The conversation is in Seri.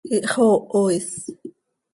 ¡Ihxooho is!